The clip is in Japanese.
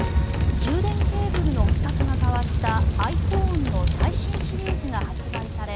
充電ケーブルの規格が変わったｉＰｈｏｎｅの最新シリーズが発売され